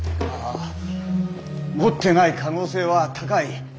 まあ持ってない可能性は高い。